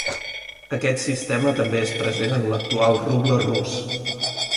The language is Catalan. Aquest sistema també és present en l'actual ruble rus.